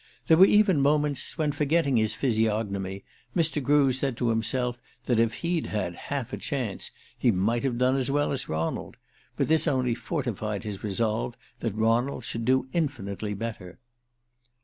There were even moments when, forgetting his physiognomy, Mr. Grew said to himself that if he'd had "half a chance" he might have done as well as Ronald; but this only fortified his resolve that Ronald should do infinitely better.